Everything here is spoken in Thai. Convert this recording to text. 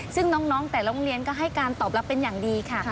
ซึ่งน้องแต่โรงเรียนก็ให้การตอบรับเป็นอย่างดีค่ะ